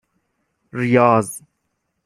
ریاض